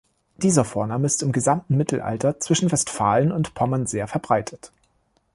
Dieser Vorname ist im gesamten Mittelalter zwischen Westfalen und Pommern sehr verbreitet.